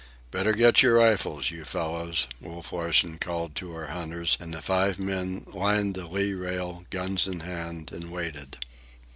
"Better get your rifles, you fellows," Wolf Larsen called to our hunters; and the five men lined the lee rail, guns in hand, and waited.